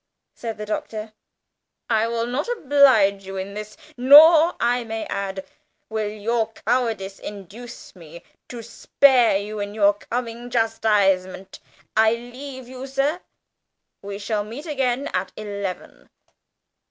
said the Doctor. "I shall not oblige you in this. Nor, I may add, will your cowardice induce me to spare you in your coming chastisement. I leave you, sir we shall meet again at eleven!"